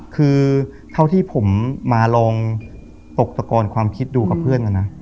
คือเท่าที่ผมมาลองตกตะกอนความคิดดูกับเพื่อนกันนะ